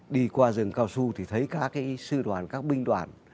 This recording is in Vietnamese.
đi qua rừng cao xu thì thấy các sư đoàn các binh đoàn